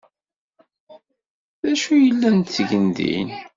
D acu ay llan ttgen din?